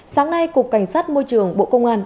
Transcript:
sáng nay cục cảnh sát môi trường bộ công an